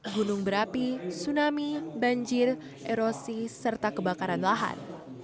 gunung berapi tsunami banjir erosi serta kebakaran lahan